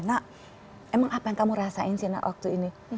nak emang apa yang kamu rasain sih nak waktu ini